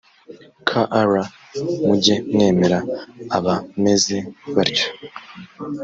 kr mujye mwemera abameze batyo